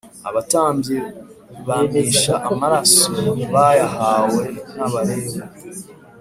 abatambyi bamisha amaraso bayahawe n Abalewi